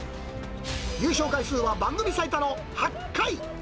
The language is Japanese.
優勝回数は番組最多の８回。